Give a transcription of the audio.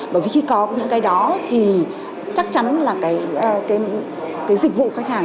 bởi vì khi có những cái đó thì chắc chắn là cái dịch vụ khách hàng